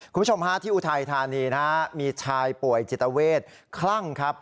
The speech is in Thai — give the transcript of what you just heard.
คุณผู้ชมฮะที่อุทัยธานีนะฮะมีชายป่วยจิตเวทคลั่งครับ